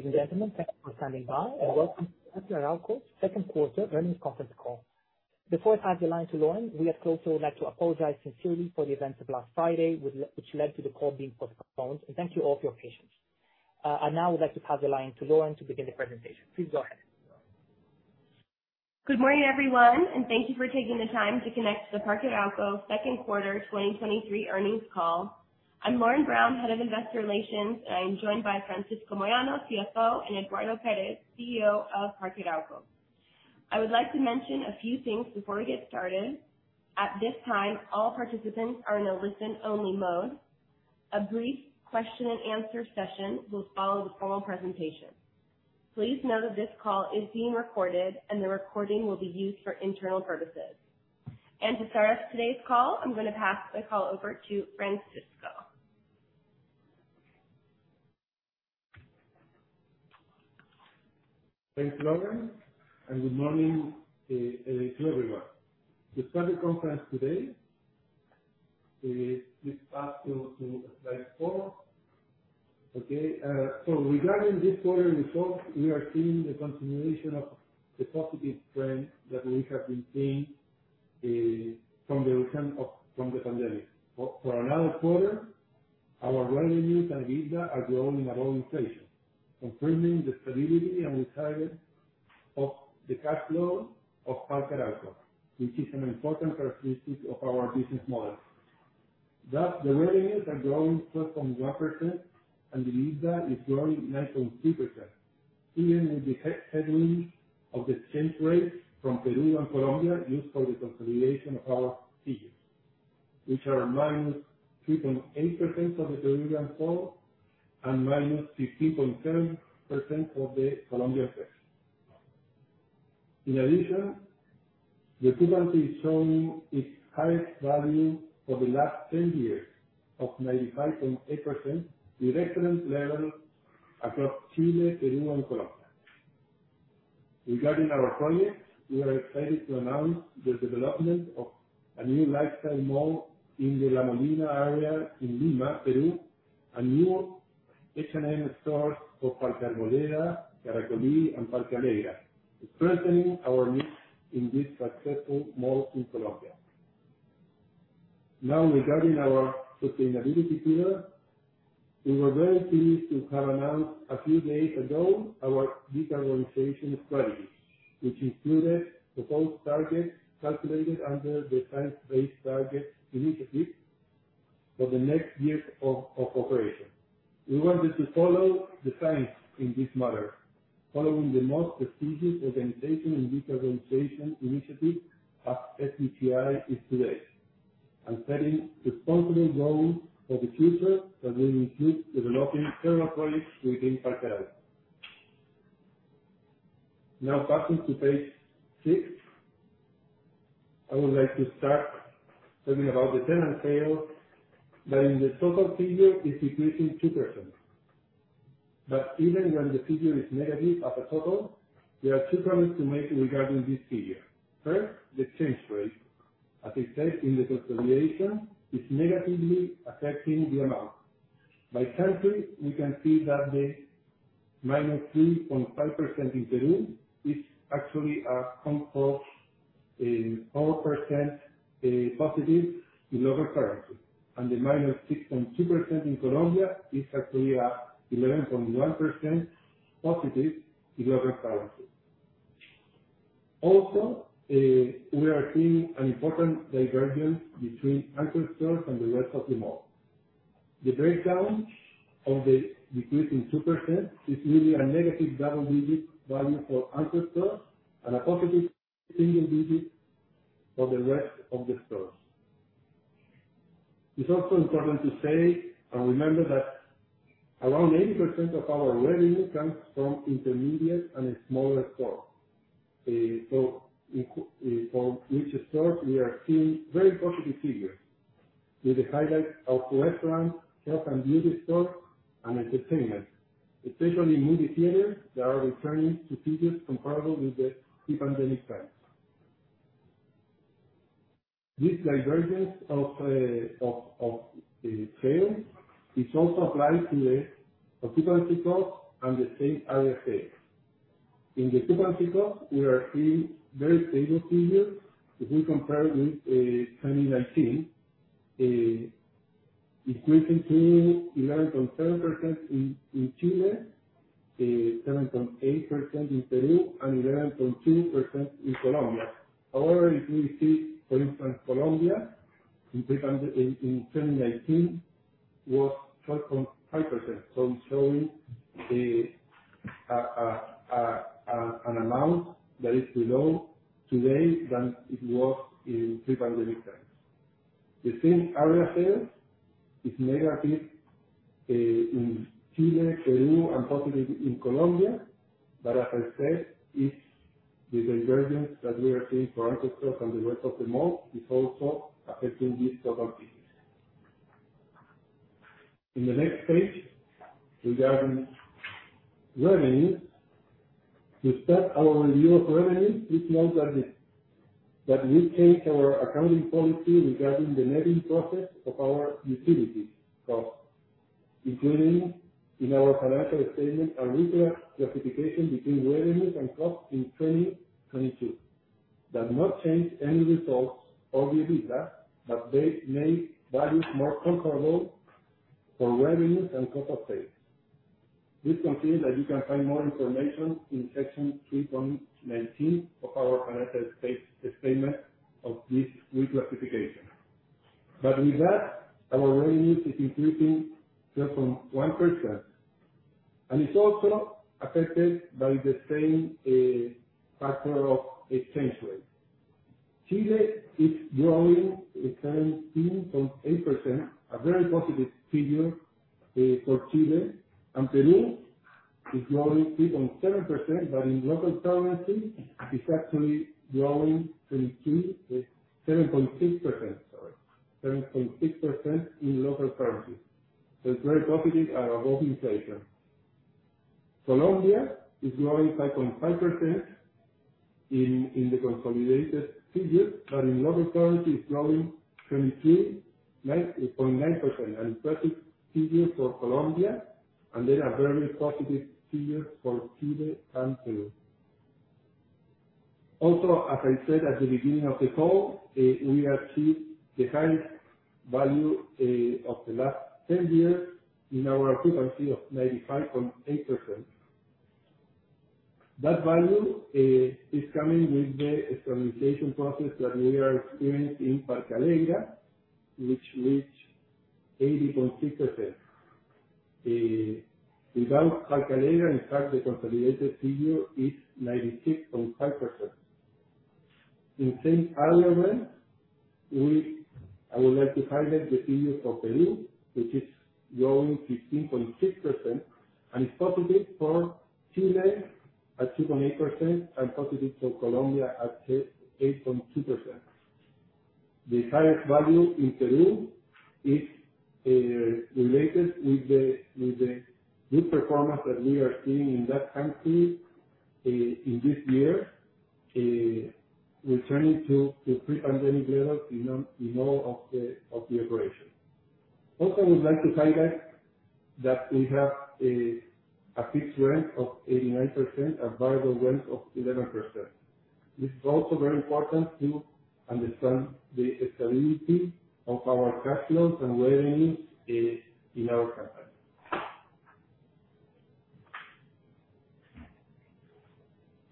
Ladies and gentlemen, thank you for standing by, and welcome to Parque Arauco's second quarter earnings conference call. Before I pass the line to Lauren, we would also like to apologize sincerely for the events of last Friday, which led to the call being postponed. Thank you all for your patience. I now would like to pass the line to Lauren to begin the presentation. Please go ahead. Good morning, everyone, and thank you for taking the time to connect to the Parque Arauco second quarter 2023 earnings call. I'm Lauren Brown, Head of Investor Relations, and I'm joined by Francisco Moyano, CFO, and Eduardo Pérez, CEO of Parque Arauco. I would like to mention a few things before we get started. At this time, all participants are in a listen-only mode. A brief question and answer session will follow the formal presentation. Please note that this call is being recorded and the recording will be used for internal purposes. To start off today's call, I'm gonna pass the call over to Francisco. Thanks, Lauren, and good morning to everyone. To start the conference today, please pass to slide four. Okay, regarding this quarter results, we are seeing the continuation of the positive trend that we have been seeing from the return from the pandemic. For another quarter, our revenues and EBITDA are growing at all locations, confirming the stability and resilience of the cash flow of Parque Arauco, which is an important characteristic of our business model. Thus, the revenues are growing 12.1%, and EBITDA is growing 9.3%, even with the headwinds of the exchange rates from Peru and Colombia used for the consolidation of our figures, which are -3.8% of the Peruvian sol and -16.7% of the Colombian peso. In addition, the occupancy is showing its highest value for the last 10 years of 95.8%, with excellent levels across Chile, Peru and Colombia. Regarding our projects, we are excited to announce the development of a new lifestyle mall in the La Molina area in Lima, Peru, and new H&M stores for Parque Arboleda, Parque Caracolí and Parque Alegra, strengthening our mix in these successful malls in Colombia. Now, regarding our sustainability pillar, we were very pleased to have announced a few days ago our decarbonization strategy, which included proposed targets calculated under the Science-Based Targets initiative for the next years of operation. We wanted to follow the science in this matter, following the most prestigious organization in decarbonization initiatives as SBTi is today, and setting responsible goals for the future that will include developing several projects within Parque Arauco. Now passing to page six. I would like to start talking about the tenant sales, that in the total figure is decreasing 2%. Even when the figure is negative as a total, there are two comments to make regarding this figure. First, the exchange rate, as I said, in the consolidation, is negatively affecting the amount. By country, we can see that the -3.5% in Peru is actually composed 4% positive in local currency. The -6.2% in Colombia is actually 11.1% positive in local currency. Also, we are seeing an important divergence between anchor stores and the rest of the mall. The breakdown of the decrease in 2% is really a negative double digit value for anchor stores and a positive single digit for the rest of the stores. It's also important to say and remember that around 80% of our revenue comes from intermediate and smaller stores. For each store, we are seeing very positive figures, with the highlight of restaurants, health and beauty stores and entertainment, especially movie theaters that are returning to figures comparable with the pre-pandemic times. This divergence of sales is also applied to the occupancy cost and the same area sales. In the occupancy cost, we are seeing very stable figures if we compare with 2019, increasing to 11.7% in Chile, 7.8% in Peru and 11.2% in Colombia. However, if we see, for instance, Colombia in 2019, was 12.5%. Showing an amount that is below today than it was in pre-pandemic times. The same area sales is negative in Chile, Peru and positive in Colombia. As I said, it's the divergence that we are seeing for anchor stores and the rest of the mall is also affecting these total figures. In the next page, regarding revenue. To start our review of revenue, it's not that different that we changed our accounting policy regarding the netting process of our utilities cost, including in our financial statement a regular classification between revenues and costs in 2022. That did not change any results or the EBITDA, but it makes values more comparable for revenues and cost of sales. You can find more information in section 3.19 of our financial statements on this reclassification. With that, our revenue is increasing just 1%. It's also affected by the same factor of exchange rate. Chile is growing at 19.8%, a very positive figure for Chile. Peru is growing 3.7%, but in local currency, it's actually growing 7.6%, sorry. 7.6% in local currency. It's very positive out of all inflation. Colombia is growing 5.5% in the consolidated figures. But in local currency, it's growing 9.9%. Perfect figures for Colombia. They are very positive figures for Chile and Peru. Also, as I said at the beginning of the call, we achieved the highest value of the last 10 years in our occupancy of 95.8%. That value is coming with the stabilization process that we are experiencing in Parque Alegra, which reached 80.6%. Without Parque Alegra, in fact, the consolidated figure is 96.5%. In the same vein, I would like to highlight the figures for Peru, which is growing 15.6%. It's positive for Chile at 2.8% and positive for Colombia at 8.2%. The highest value in Peru is related with the good performance that we are seeing in that country in this year, returning to pre-pandemic levels in all of the operation. Also, I would like to highlight that we have a fixed rent of 89% and variable rent of 11%. This is also very important to understand the stability of our cash flows and revenues in our company.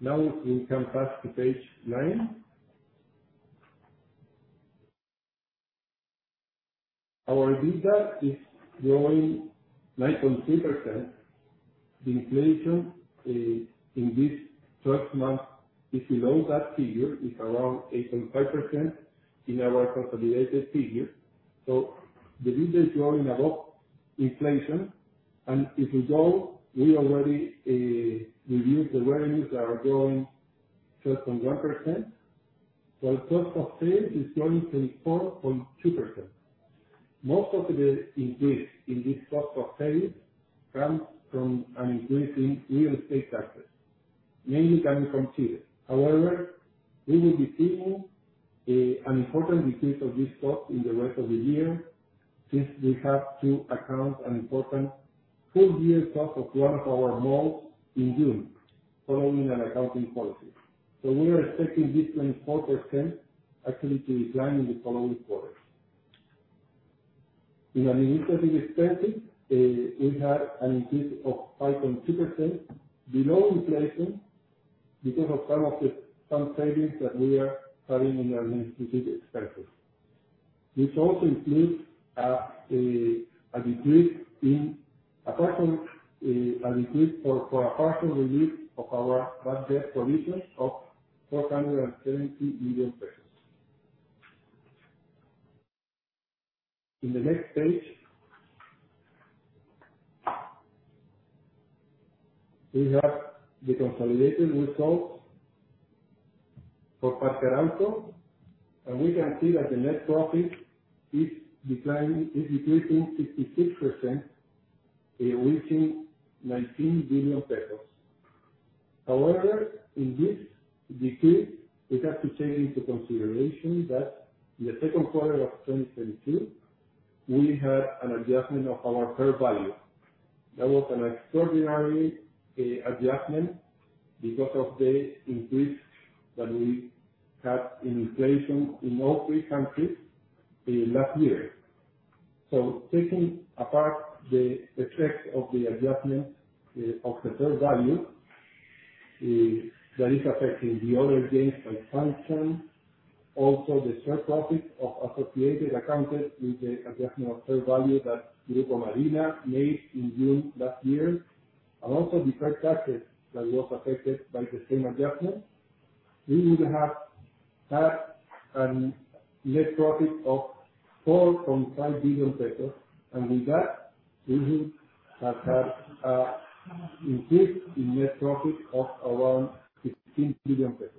Now we can pass to page nine. Our EBITDA is growing 9.3%. The inflation in this first month is below that figure. It's around 8.5% in our consolidated figure. The EBITDA is growing above inflation. If we go, we already reviewed the revenues that are growing 12.1%. Our cost of sales is growing 24.2%. Most of the increase in this cost of sales comes from an increase in real estate taxes, mainly coming from Chile. However, we will be seeing an important decrease of this cost in the rest of the year since we have to account an important full year cost of one of our malls in June, following an accounting policy. We are expecting this 24% actually to decline in the following quarters. In administrative expenses, we had an increase of 5.2% below inflation because of some savings that we are having in our administrative expenses. This also includes a decrease for a partial review of our bad debt provisions of 470 million pesos. On the next page, we have the consolidated results for Parque Arauco, and we can see that the net profit is decreasing 66%, reaching CLP 19 billion. However, in this decrease, we have to take into consideration that in the second quarter of 2022, we had an adjustment of our fair value. That was an extraordinary adjustment because of the increase that we had in inflation in all three countries in last year. Taking apart the effect of the adjustment of the fair value that is affecting the other gains and losses. The share profit of associates accounted with the adjustment of fair value that Grupo Marina made in June last year. Deferred taxes that was affected by the same adjustment. We would have had a net profit of 4.5 billion pesos. With that, we will have had an increase in net profit of around 16 billion pesos.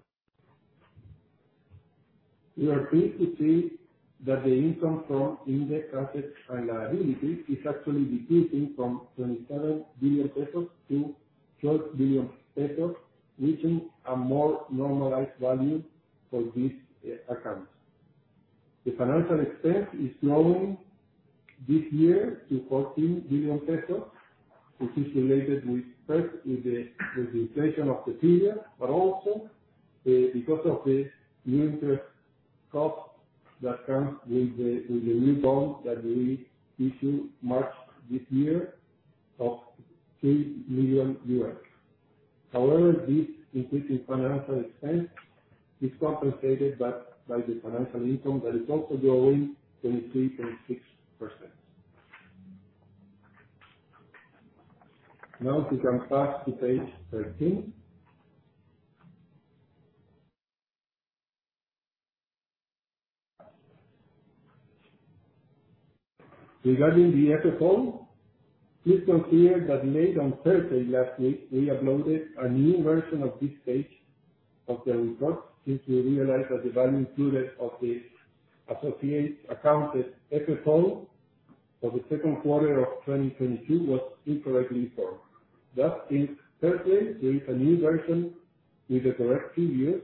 We are pleased to see that the income from index assets and liabilities is actually decreasing from 27 billion pesos to 12 billion pesos, reaching a more normalized value for these accounts. The financial expense is growing this year to 14 billion pesos, which is related with first the inflation of the period, but also because of the new interest cost that comes with the new bond that we issued March this year of $3 million. However, this increase in financial expense is compensated by the financial income that is also growing 23.6%. Now we can pass to page 13. Regarding the FFO, please consider that late on Thursday last week, we uploaded a new version of this page of the report since we realized that the value included of the associate accounted FFO for the second quarter of 2022 was incorrectly informed. Just since Thursday, there is a new version with the correct figures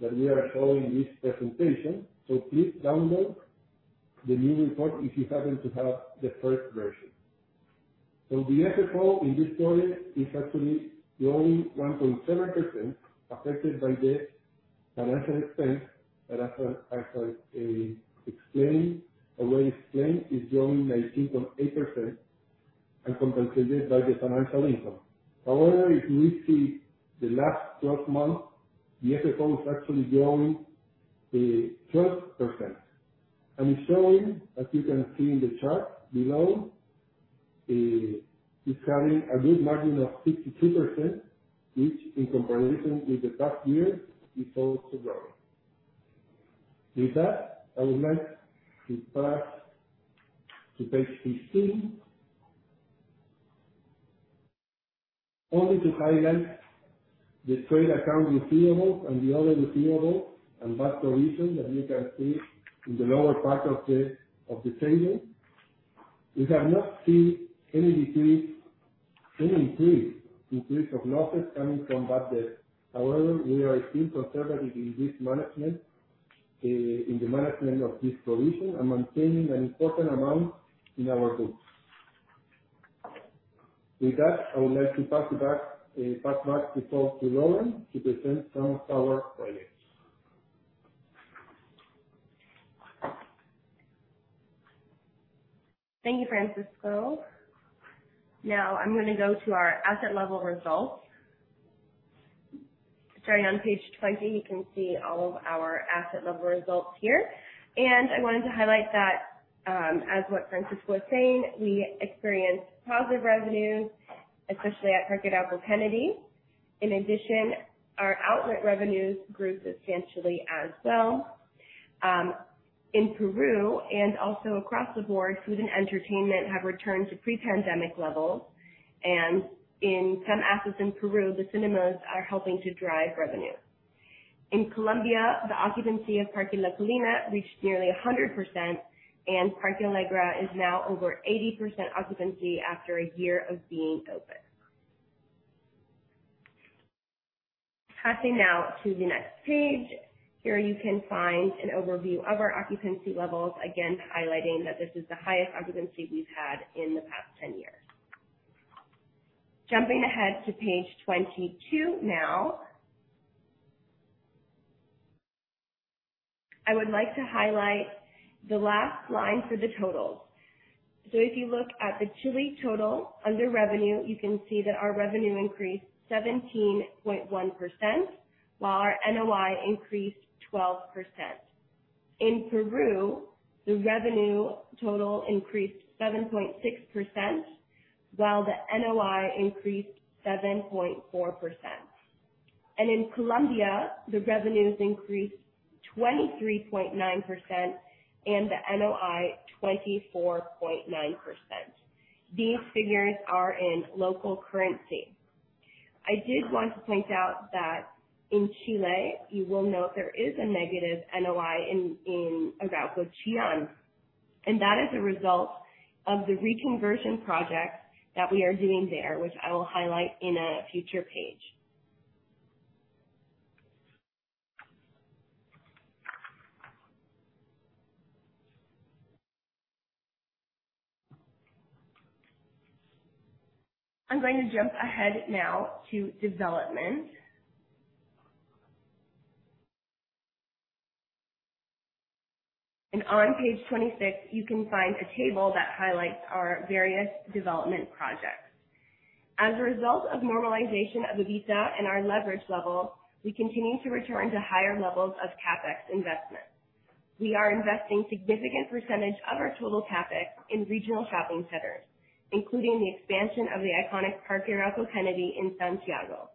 that we are following this presentation. Please download the new report if you happen to have the first version. The FFO in this quarter is actually growing 1.7% affected by the financial expense that as I explained is growing 19.8% and compensated by the financial income. However, if we see the last twelve months, the FFO is actually growing 12%. It's showing, as you can see in the chart below, it's having a good margin of 62%, which in comparison with the past years, it's also growing. With that, I would like to pass to page 15. Only to highlight the trade account receivables and the other receivables and bad provision that you can see in the lower part of the table. We have not seen any increase of losses coming from bad debt. However, we are still conservative in the management of this provision and maintaining an important amount in our books. With that, I would like to pass back the call to Lauren to present some of our projects. Thank you, Francisco. Now I'm gonna go to our asset level results. Starting on page 20, you can see all of our asset level results here. I wanted to highlight that, as what Francisco was saying, we experienced positive revenues, especially at Parque Arauco Kennedy. In addition, our outlet revenues grew substantially as well. In Peru and also across the board, food and entertainment have returned to pre-pandemic levels. In some assets in Peru, the cinemas are helping to drive revenue. In Colombia, the occupancy of Parque Caracolí reached nearly 100%, and Parque Alegra is now over 80% occupancy after a year of being open. Passing now to the next page. Here you can find an overview of our occupancy levels, again highlighting that this is the highest occupancy we've had in the past 10 years. Jumping ahead to page 22 now. I would like to highlight the last line for the totals. If you look at the Chile total under revenue, you can see that our revenue increased 17.1%, while our NOI increased 12%. In Peru, the revenue total increased 7.6%, while the NOI increased 7.4%. In Colombia, the revenues increased 23.9% and the NOI 24.9%. These figures are in local currency. I did want to point out that in Chile, you will note there is a negative NOI in Arauco Chillán, and that is a result of the reconversion project that we are doing there, which I will highlight in a future page. I'm going to jump ahead now to development. On page 26, you can find a table that highlights our various development projects. As a result of normalization of EBITDA and our leverage level, we continue to return to higher levels of CapEx investment. We are investing significant percentage of our total CapEx in regional shopping centers, including the expansion of the iconic Parque Arauco Kennedy in Santiago,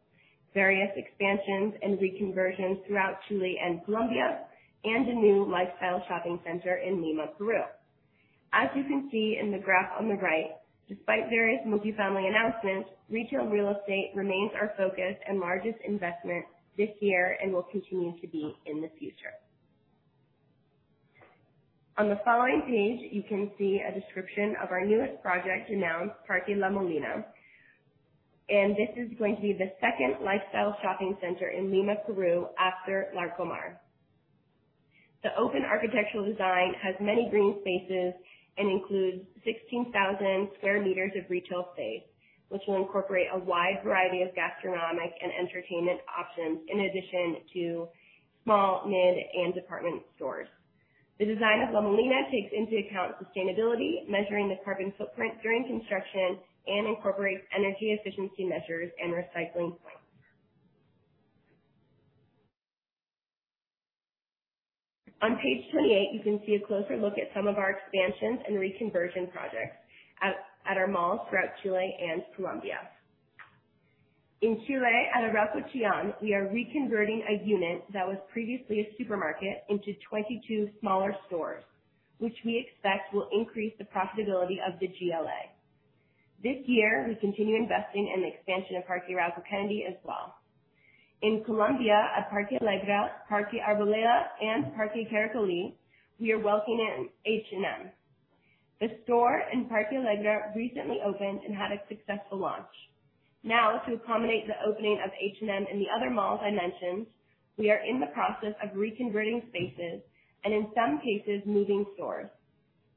various expansions and reconversions throughout Chile and Colombia, and a new lifestyle shopping center in Lima, Peru. As you can see in the graph on the right, despite various multifamily announcements, retail real estate remains our focus and largest investment this year and will continue to be in the future. On the following page, you can see a description of our newest project announced, Parque La Molina. This is going to be the second lifestyle shopping center in Lima, Peru, after Larcomar. The open architectural design has many green spaces and includes 16,000 square meters of retail space, which will incorporate a wide variety of gastronomic and entertainment options in addition to small, mid, and department stores. The design of La Molina takes into account sustainability, measuring the carbon footprint during construction, and incorporates energy efficiency measures and recycling points. On page 28, you can see a closer look at some of our expansions and reconversion projects at our malls throughout Chile and Colombia. In Chile, at Arauco Chillán, we are reconverting a unit that was previously a supermarket into 22 smaller stores, which we expect will increase the profitability of the GLA. This year, we continue investing in the expansion of Parque Arauco Kennedy as well. In Colombia, at Parque Alegra, Parque Arboleda, and Parque Caracolí, we are welcoming H&M. The store in Parque Alegra recently opened and had a successful launch. Now, to accommodate the opening of H&M in the other malls I mentioned, we are in the process of reconverting spaces and, in some cases, moving stores.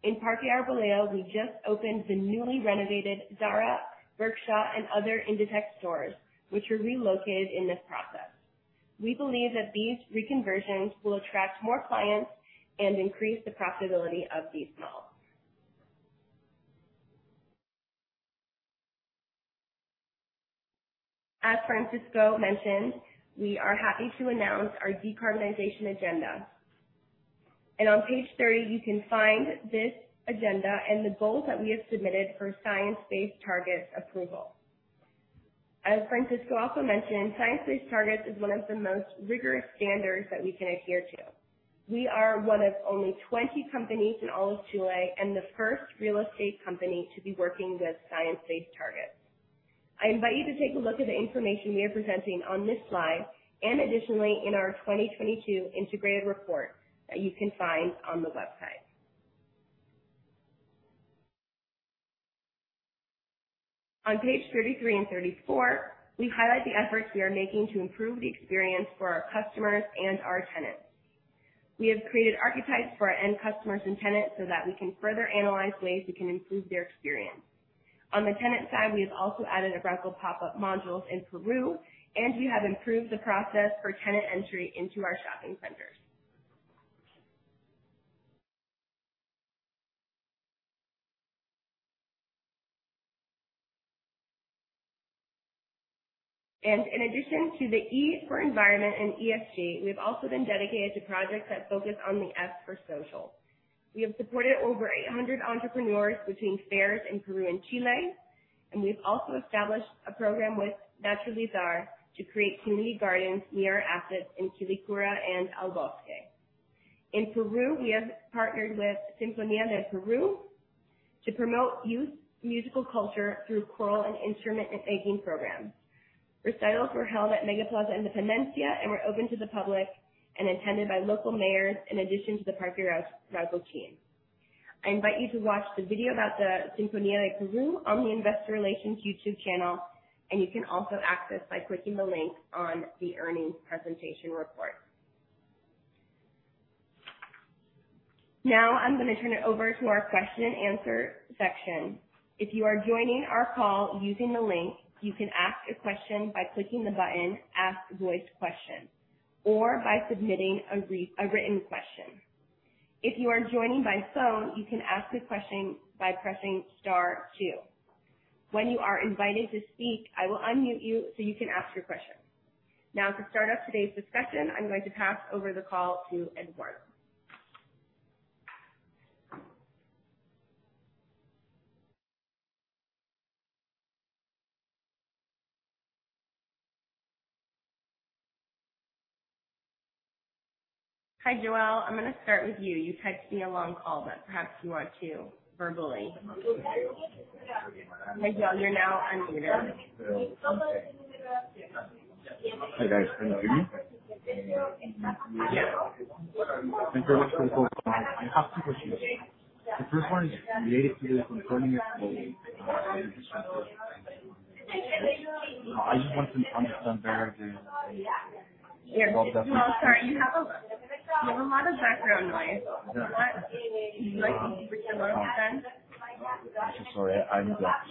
In Parque Arboleda, we just opened the newly renovated Zara, Bershka, and other Inditex stores, which were relocated in this process. We believe that these reconversions will attract more clients and increase the profitability of these malls. As Francisco mentioned, we are happy to announce our decarbonization agenda. On page 30, you can find this agenda and the goals that we have submitted for Science-Based Targets approval. As Francisco also mentioned, Science-Based Targets is one of the most rigorous standards that we can adhere to. We are one of only 20 companies in all of Chile and the first real estate company to be working with Science-Based Targets. I invite you to take a look at the information we are presenting on this slide and additionally in our 2022 integrated report that you can find on the website. On page 33 and 34, we highlight the efforts we are making to improve the experience for our customers and our tenants. We have created archetypes for our end customers and tenants so that we can further analyze ways we can improve their experience. On the tenant side, we have also added Arauco Pop-up modules in Peru, and we have improved the process for tenant entry into our shopping centers. In addition to the E for environment and ESG, we've also been dedicated to projects that focus on the S for social. We have supported over 800 entrepreneurs between fairs in Peru and Chile, and we've also established a program with Naturalizar to create community gardens near our assets in Quilicura and El Bosque. In Peru, we have partnered with Sinfonía por el Perú to promote youth musical culture through choral and instrument-making programs. Recitals were held at Megaplaza Independencia and were open to the public and attended by local mayors in addition to the Parque Arauco team. I invite you to watch the video about the Sinfonía por el Perú on the investor relations YouTube channel, and you can also access by clicking the link on the earnings presentation report. Now I'm gonna turn it over to our question and answer section. If you are joining our call using the link, you can ask a question by clicking the button, Ask Voice Question, or by submitting a written question. If you are joining by phone, you can ask a question by pressing star two. When you are invited to speak, I will unmute you so you can ask your question. Now to start up today's discussion, I'm going to pass over the call to Eduardo. Hi, Jorel. I'm gonna start with you. You typed me a long email, but perhaps you want to verbally. Hi, Jorel. You're now unmuted. Hi, guys. Can you hear me? Yeah. Thanks very much for the call. I have two questions. The first one is related to the confirmation. Yeah. No, sorry. You have a lot of background noise. Yeah. Would you like to repeat the question one more time? Sorry. I'm back.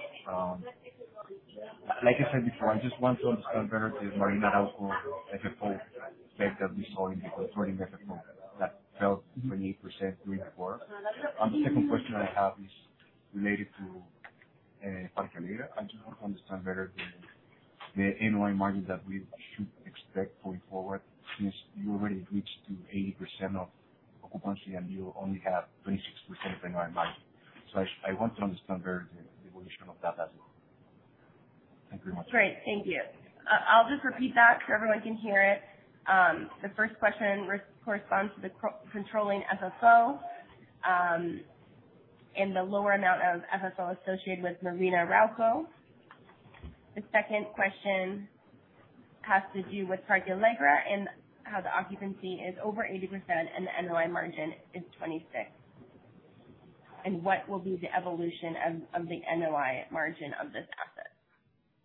Like I said before, I just want to understand better the Marina outcome as a whole effect of discounting because running as a whole, that fell 28% during the quarter. Mm-hmm. The second question I have is related to Parque Alegra. I just want to understand better the NOI margin that we should expect going forward since you already reached to 80% of occupancy and you only have 26% NOI margin. I want to understand better the evolution of that as it goes. Great. Thank you. I'll just repeat that so everyone can hear it. The first question corresponds to the controlling FFO, and the lower amount of FFO associated with Mall Marina. The second question has to do with Parque Alegra and how the occupancy is over 80% and the NOI margin is 26%, and what will be the evolution of the NOI margin of this asset.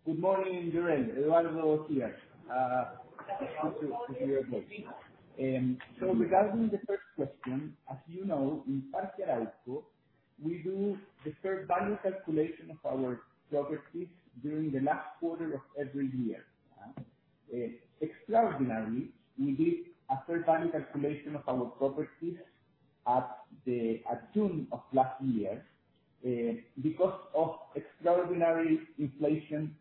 Good morning, Jorel. Eduardo Pérez Marchant. It's good to hear your voice. Regarding the first question, as you know, in Parque Arauco, we do the fair value calculation of our properties during the last quarter of every year. We did a fair value calculation of our properties at June of last year, because of extraordinary inflation,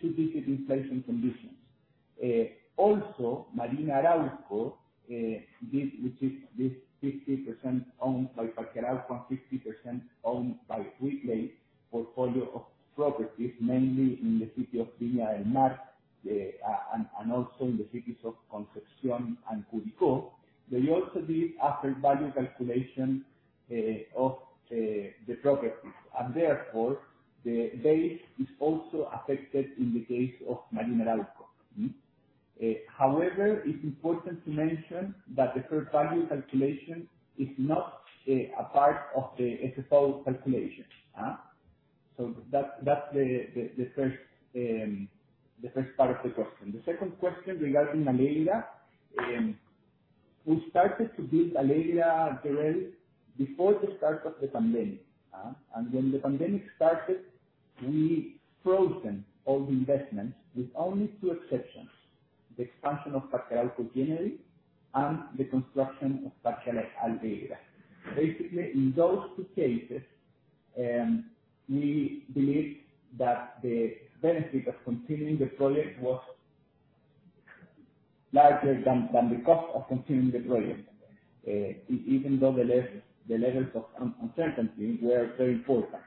two-digit inflation conditions. Also, Mall Marina, which is this 50% owned by Parque Arauco and 50% owned by Ripley, portfolio of properties, mainly in the city of Villa Alemana, and also in the cities of Concepción and Curicó. They also did a fair value calculation of the properties, and therefore the base is also affected in the case of Mall Marina. However, it's important to mention that the fair value calculation is not a part of the FFO calculation. That's the first part of the question. The second question regarding Parque Alegra, we started to build Parque Alegra, Jorel Guilloty, before the start of the pandemic. When the pandemic started, we froze all the investments with only two exceptions, the expansion of Parque Arauco Kennedy and the construction of Parque Alegra. Basically, in those two cases, we believed that the benefit of continuing the project was larger than the cost of continuing the project. Even though the levels of uncertainty were very important.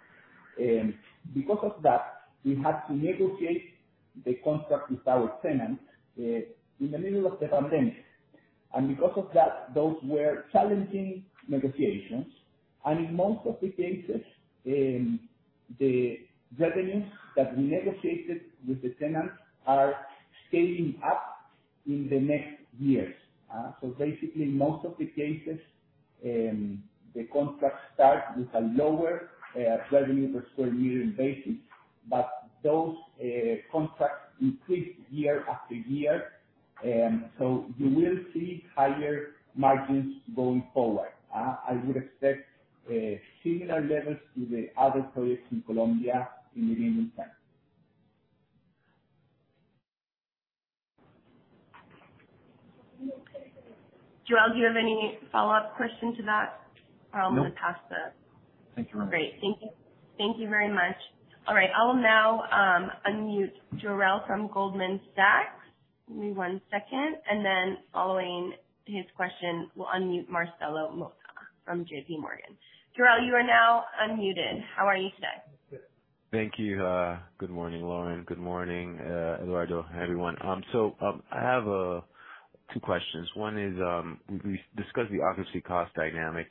Because of that, we had to negotiate the contract with our tenant in the middle of the pandemic. Because of that, those were challenging negotiations. In most of the cases, the revenues that we negotiated with the tenants are scaling up in the next years. Basically most of the cases, the contract starts with a lower revenue per square meter basis. Those contracts increase year after year. You will see higher margins going forward. I would expect similar levels to the other projects in Colombia in the meantime. Jorel, do you have any follow-up question to that? No. I'll go ahead and pass the. Thank you. Great. Thank you. Thank you very much. All right. I will now unmute Jorel Guilloty from Goldman Sachs. Give me one second, and then following his question, we'll unmute Marcelo Motta from JP Morgan. Jorel, you are now unmuted. How are you today? Thank you. Good morning, Lauren. Good morning, Eduardo, everyone. I have two questions. One is, we discussed the occupancy cost dynamic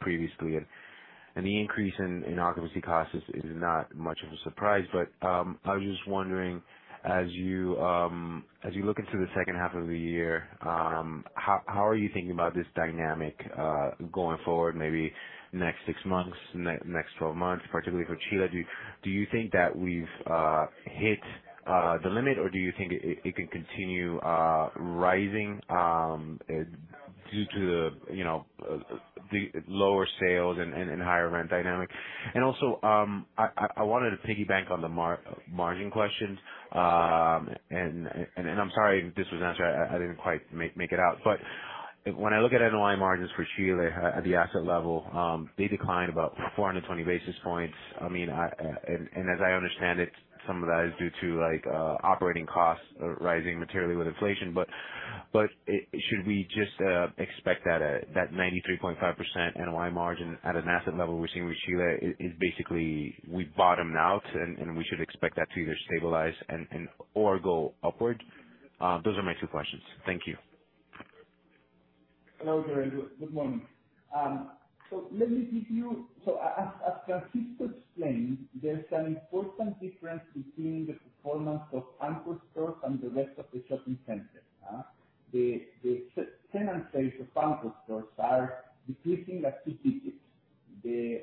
previously. The increase in occupancy cost is not much of a surprise. I was just wondering, as you look into the second half of the year, how are you thinking about this dynamic going forward, maybe next six months, next 12 months, particularly for Chile? Do you think that we've hit the limit, or do you think it can continue rising due to the, you know, the lower sales and higher rent dynamic? I wanted to piggyback on the margin question. I'm sorry if this was answered. I didn't quite make it out. When I look at NOI margins for Chile at the asset level, they declined about 420 basis points. I mean, as I understand it, some of that is due to like operating costs rising materially with inflation. Should we just expect that 93.5% NOI margin at an asset level we're seeing with Chile is basically we've bottomed out and we should expect that to either stabilize or go upward? Those are my two questions. Thank you. Hello, Jorel. Good morning. As Francisco explained, there's an important difference between the performance of anchor stores and the rest of the shopping centers. The tenant base of anchor stores are decreasing at two digits. The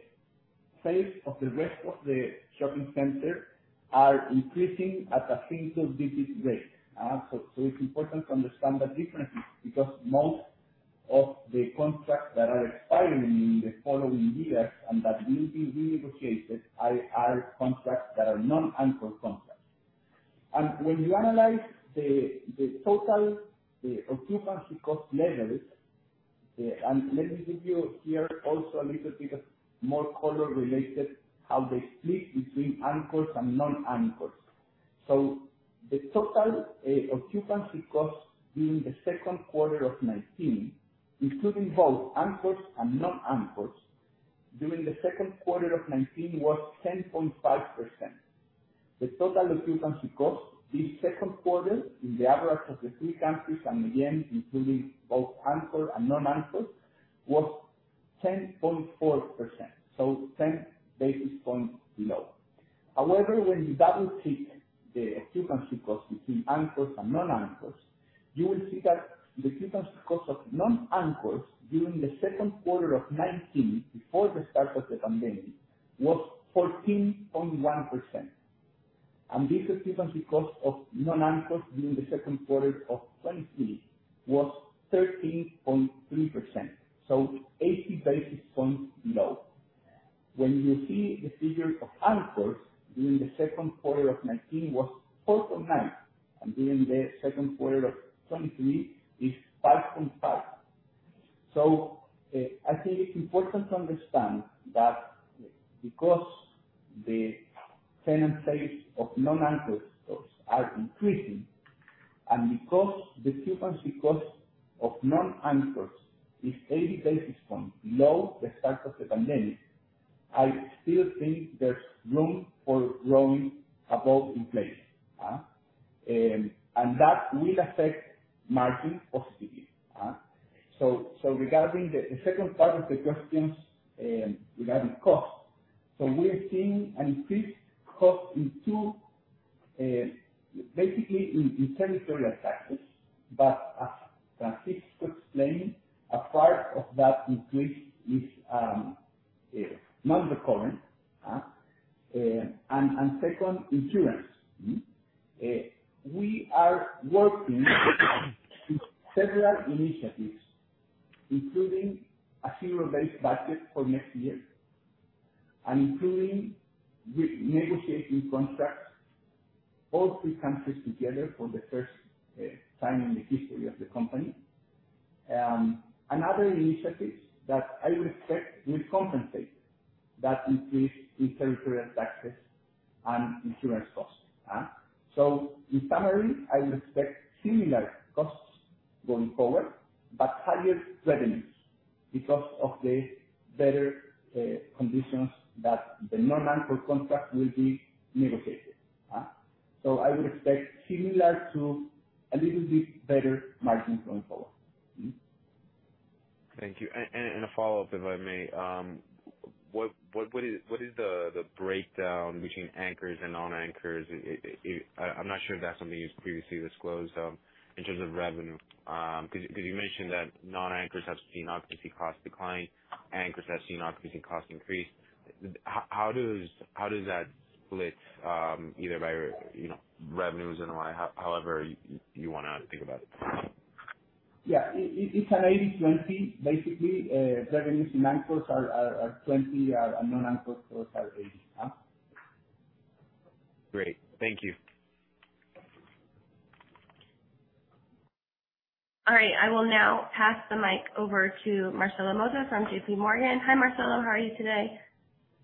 sales of the rest of the shopping center are increasing at a single digit rate. It's important to understand the differences because most of the contracts that are expiring in the following years and that will be renegotiated are contracts that are non-anchor contracts. When you analyze the total occupancy cost levels, let me give you here also a little bit more color related to how they split between anchors and non-anchors. The total occupancy cost during the second quarter of 2019, including both anchors and non-anchors, during the second quarter of 2019 was 10.5%. The total occupancy cost this second quarter in the average of the three countries, and again, including both anchor and non-anchor, was 10.4%, so 10 basis points below. However, when you double check the occupancy cost between anchors and non-anchors, you will see that the occupancy cost of non-anchors during the second quarter of 2019 before the start of the pandemic was 14.1%. This occupancy cost of non-anchors during the second quarter of 2023 was 13.3%, so 80 basis points below. When you see the figures of anchors during the second quarter of 2019 was 4.9, and during the second quarter of 2023 it's 5.5. I think it's important to understand that because the tenant sales of non-anchor stores are increasing, and because the occupancy cost of non-anchors is 80 basis points below the start of the pandemic, I still think there's room for growing above inflation. That will affect margin positively. Regarding the second part of the questions, regarding costs. We're seeing an increased cost in two, basically in territorial taxes. As Francisco explained, a part of that increase is non-recurrent. Second, insurance. We are working in several initiatives, including a zero-based budget for next year and including re-negotiating contracts, all three countries together for the first time in the history of the company. Other initiatives that I would expect will compensate that increase in territorial taxes and insurance costs. In summary, I would expect similar costs going forward, but higher revenues because of the better conditions that the non-anchor contracts will be negotiated. I would expect similar to a little bit better margin going forward. Thank you. A follow-up, if I may. What is the breakdown between anchors and non-anchors? I'm not sure if that's something you've previously disclosed in terms of revenue. 'Cause you mentioned that non-anchors have seen occupancy costs decline, anchors have seen occupancy costs increase. How does that split, either by, you know, revenues and/or however you wanna think about it? Yeah. It's an 80%-20% basically. Revenues in anchors are 20%, and non-anchors are 80%. Great. Thank you. All right. I will now pass the mic over to Marcelo Motta from JP Morgan. Hi, Marcelo, how are you today?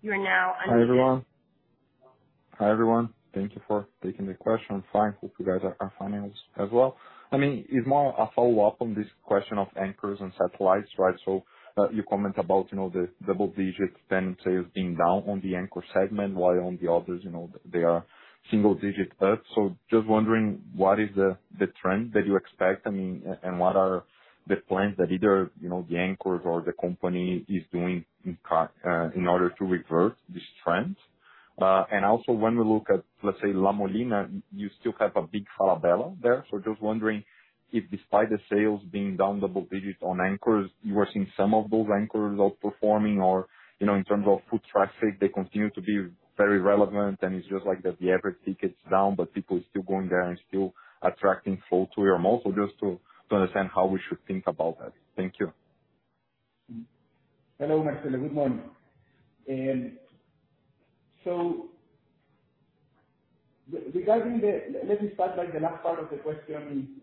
You are now unmuted. Hi, everyone. Thank you for taking the question. Fine. Hope you guys are fine as well. I mean, it's more a follow-up on this question of anchors and satellites, right? You comment about, you know, the double-digit tenant sales being down on the anchor segment while on the others, you know, they are single-digit up. Just wondering what is the trend that you expect, I mean, and what are the plans that either, you know, the anchors or the company is doing in order to revert this trend? Also, when we look at, let's say, La Molina, you still have a big Falabella there. Just wondering if despite the sales being down double digits on anchors, you are seeing some of those anchors outperforming or, you know, in terms of foot traffic, they continue to be very relevant and it's just like the average ticket's down, but people are still going there and still attracting flow to your mall. Just to understand how we should think about that. Thank you. Hello, Marcelo. Good morning. Let me start by the last part of the question,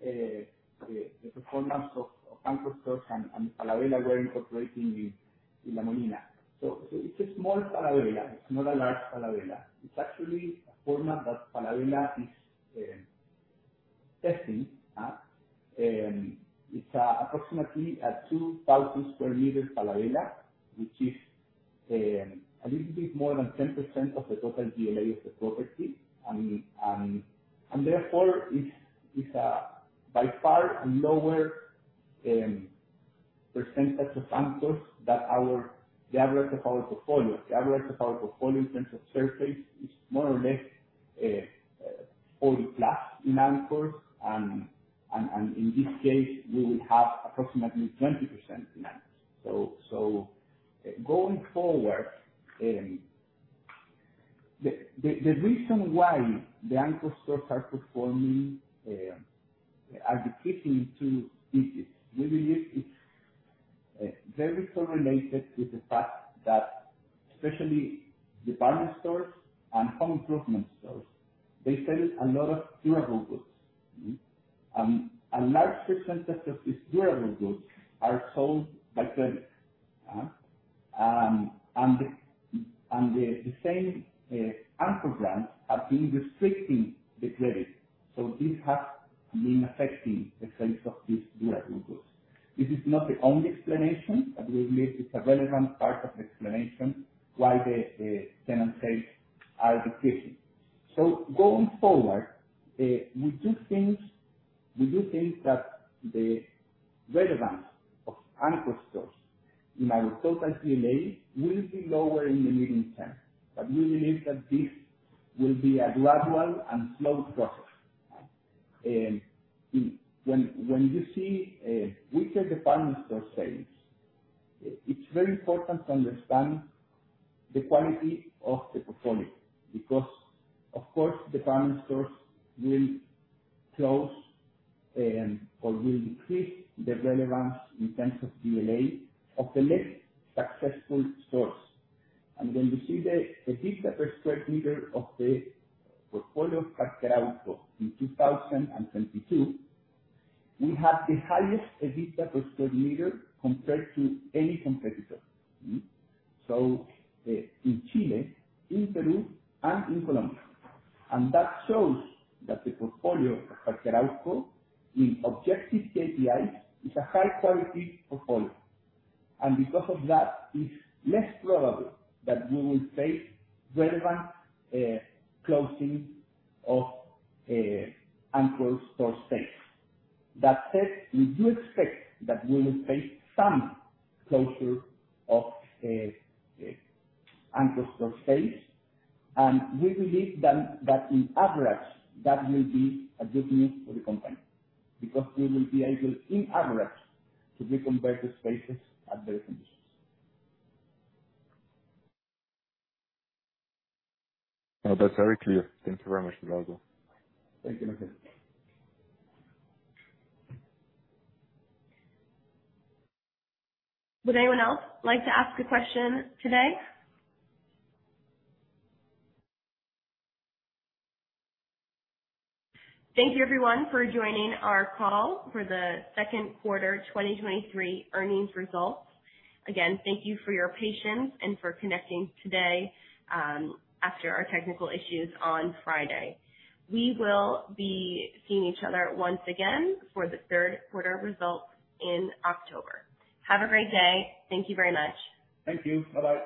the performance of anchor stores and Falabella we're incorporating in La Molina. It's a small Falabella. It's not a large Falabella. It's actually a format that Falabella is testing out. It's approximately a 2,000 square meters Falabella, which is a little bit more than 10% of the total GLA of the property. Therefore is by far a lower percentage of anchors than the average of our portfolio. The average of our portfolio in terms of surface is more or less 40+% in anchors. In this case, we would have approximately 20% in anchors. Going forward, the reason why the anchor stores are decreasing. This is, we believe, it's very correlated with the fact that especially department stores and home improvement stores, they sell a lot of durable goods. A large percentage of these durable goods are sold by them. And the same anchor brands have been restricting the credit. This has been affecting the sales of these durable goods. This is not the only explanation, but we believe it's a relevant part of the explanation why the same sales are decreasing. Going forward, we do think that the relevance of anchor stores in our total GLA will be lower in the medium term. We believe that this will be a gradual and slow process. When you see weaker department store sales, it's very important to understand the quality of the portfolio because, of course, department stores will close or will decrease the relevance in terms of GLA of the less successful stores. When you see the EBITDA per square meter of the portfolio of Falabella in 2022, we have the highest EBITDA per square meter compared to any competitor in Chile, in Peru, and in Colombia. That shows that the portfolio of Falabella in objective KPIs is a high quality portfolio. Because of that, it's less probable that we will face relevant closing of anchor store space. That said, we do expect that we will face some closure of anchor store space, and we believe then that in average, that will be a good news for the company. Because we will be able, in average, to re-convert the spaces at better conditions. That's very clear. Thank you very much, Eduardo Pérez Marchant. Thank you, Marcelo Motta Would anyone else like to ask a question today? Thank you everyone for joining our call for the second quarter 2023 earnings results. Again, thank you for your patience and for connecting today, after our technical issues on Friday. We will be seeing each other once again for the third quarter results in October. Have a great day. Thank you very much. Thank you. Bye-bye.